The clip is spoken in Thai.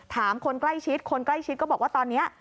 คนใกล้ชิดคนใกล้ชิดก็บอกว่าตอนนี้